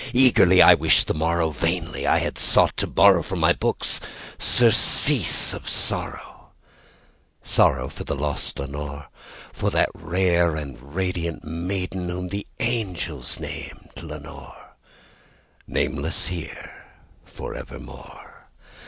Eagerly I wished the morrow;—vainly I had sought to borrowFrom my books surcease of sorrow—sorrow for the lost Lenore, For the rare and radiant maiden whom the angels name Lenore:Nameless here for evermore.